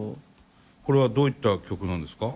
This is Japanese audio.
これはどういった曲なんですか？